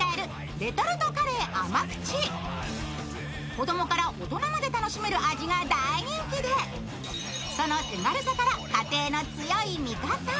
子供から大人まで楽しめる味が大人気で、その手軽さから家庭の強い味方。